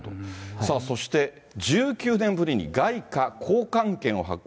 さあ、そして１９年ぶりに外貨交換券を発行。